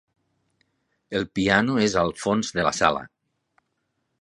El piano és al fons de la sala.